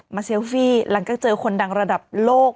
เซลฟี่หลังจากเจอคนดังระดับโลก